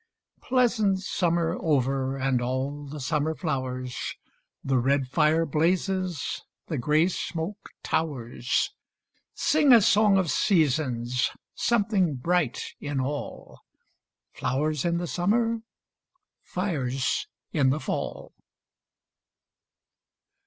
Pleasant summer over And all the summer flowers, The red fire blazes, The grey smoke towers. Sing a song of seasons! Something bright in all! Flowers in the summer, Fires in the fall!